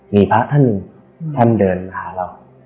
มีพระท่านหนึ่งท่านเดินหาเรา